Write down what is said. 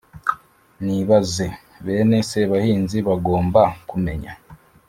nibaze! bene sebahinzi bagomba kumenya